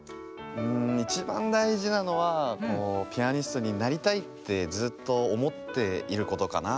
いちばんだいじなのはピアニストになりたいってずっとおもっていることかな。